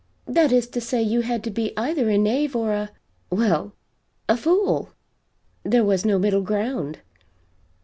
That is to say, you had to be either a knave or a well, a fool there was no middle ground.